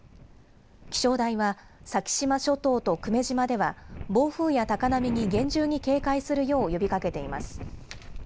気象台は先島諸島と久米島では暴風や高波に厳重に警戒するよう呼びかけています。